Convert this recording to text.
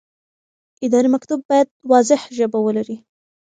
اداري مکتوب باید واضح ژبه ولري.